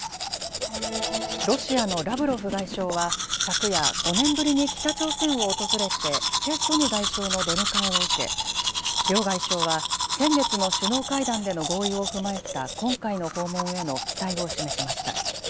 ロシアのラブロフ外相は昨夜、５年ぶりに北朝鮮を訪れてチェ・ソニ外相の出迎えを受け両外相は先月の首脳会談での合意を踏まえた今回の訪問への期待を示しました。